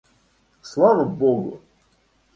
Слава Богу!